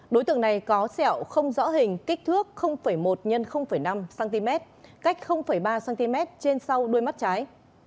đối tượng này có sẹo không rõ hình kích thước một x năm cm cách ba cm trên sau đuôi mắt trái